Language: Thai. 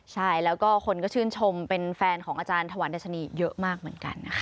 ใช่แล้วก็คนก็ชื่นชมเป็นแฟนของอาจารย์ถวันดัชนีเยอะมากเหมือนกันนะคะ